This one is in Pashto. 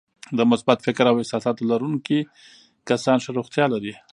د مثبت فکر او احساساتو لرونکي کسان ښه روغتیا لري.